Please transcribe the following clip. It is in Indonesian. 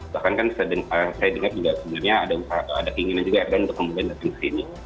bahkan kan saya dengar juga sebenarnya ada keinginan juga edgan untuk kemudian datang ke sini